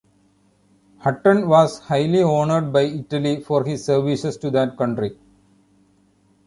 Hutton was highly honoured by Italy for his services to that country.